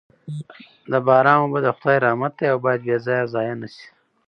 د باران اوبه د خدای رحمت دی او باید بې ځایه ضایع نه سي.